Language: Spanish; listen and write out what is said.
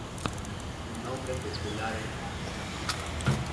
Su nombre popular es La Cartuja.